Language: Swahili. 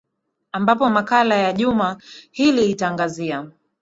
ambapo makala ya juma hili itaangazia